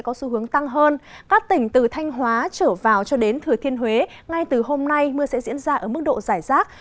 các tỉnh từ thanh hóa trở vào cho đến thừa thiên huế ngay từ hôm nay mưa sẽ diễn ra ở mức độ giải rác